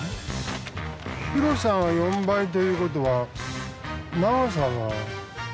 広さが４倍という事は長さは。